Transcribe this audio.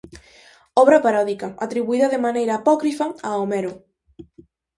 Obra paródica, atribuída de maneira apócrifa a Homero.